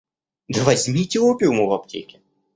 Да возьмите опиуму в аптеке.